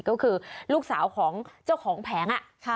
ก็คือลูกสาวของเจ้าของแผง